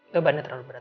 beban nya terlalu berat